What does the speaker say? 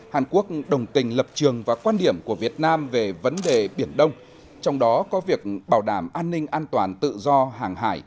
hàn quốc đồng tình lập trường và quan điểm của việt nam về vấn đề biển đông trong đó có việc bảo đảm an ninh an toàn tự do hàng hải